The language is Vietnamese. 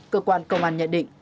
cơ quan công an nhận định